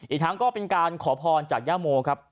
อีกทั้งก็เป็นการขอพรจากย่าโมครับ